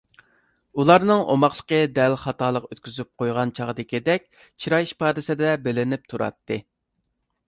ئۇلارنىڭ ئوماقلىقى دەل خاتالىق ئۆتكۈزۈپ قويغان چاغدىكىدەك چىراي ئىپادىسىدە بىلىنىپ تۇراتتى.